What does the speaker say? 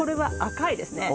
赤いですね。